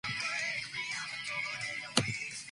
He personally travelled widely in search of rare plant species.